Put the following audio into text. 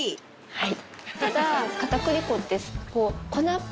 はい。